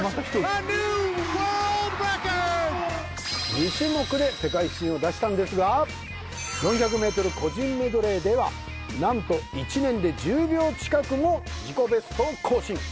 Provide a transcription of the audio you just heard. ２種目で世界新を出したんですが４００メートル個人メドレーではなんと１年で１０秒近くも自己ベストを更新